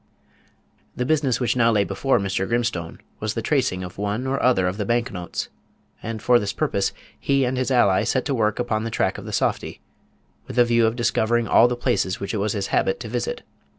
The business which now lay before Mr. Grimstone was the tracing of one or other of the bank notes; and for this purpose he and Page 186 his ally set to work upon the track of the softy, with a view of discovering all the places which it was his habit to visit.